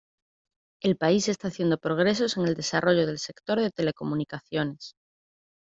El país está haciendo progresos en el desarrollo del sector de telecomunicaciones.